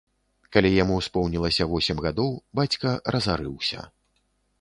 Калі яму споўнілася восем гадоў, бацька разарыўся.